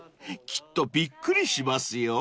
きっとびっくりしますよ］